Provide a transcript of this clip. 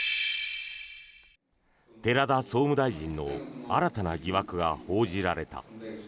寺田総務大臣の新たな疑惑が報じられた。